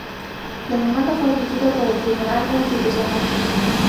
La demanda fue admitida por el Tribunal Constitucional.